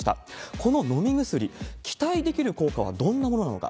この飲み薬、期待できる効果はどんなものなのか。